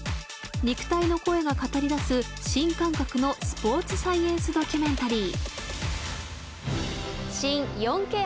肉体の声が語りだす新感覚のスポーツサイエンスドキュメンタリー。